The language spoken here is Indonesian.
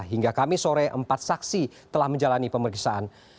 hingga kamis sore empat saksi telah menjalani pemeriksaan